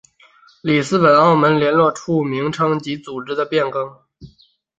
里斯本澳门联络处名称及组织的变更。